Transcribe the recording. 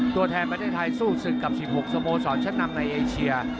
ตัวแทนประเทศไทยสู้ศึกกับ๑๖สโมสรชั้นนำในเอเชีย